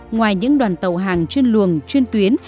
ngoài những đoàn tàu hàng chuyên luồng chuyên tuyến